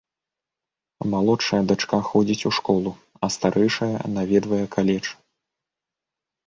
Малодшая дачка ходзіць у школу, а старэйшая наведвае каледж.